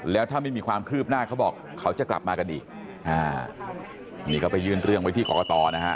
แล้วถ้าไม่มีความคืบหน้าเขาบอกเขาจะกลับมากันอีกอ่านี่เขาไปยื่นเรื่องไว้ที่กรกตนะฮะ